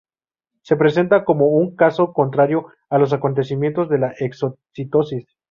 Se presenta como un caso contrario a los acontecimientos de la exocitosis.